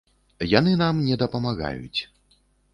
Яны нам не дапамагаюць.